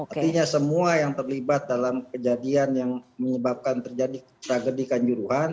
artinya semua yang terlibat dalam kejadian yang menyebabkan terjadi tragedi kanjuruhan